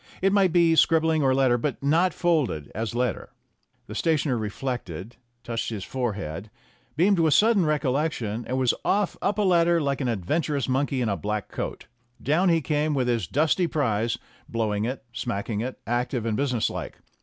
It might be scribbling or letter but not folded as letter." The stationer reflected, touched his forehead, beamed with sudden recollection, and was off up a ladder like an adventurous monkey in a black coat. Down he came with his dusty prize, blowing it, smacking it, active and business like.